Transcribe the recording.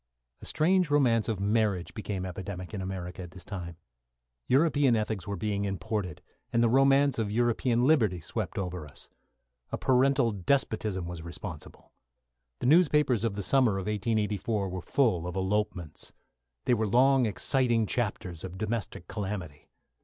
A strange romance of marriage became epidemic in America at this time. European ethics were being imported, and the romance of European liberty swept over us. A parental despotism was responsible. The newspapers of the summer of 1884 were full of elopements. They were long exciting chapters of domestic calamity.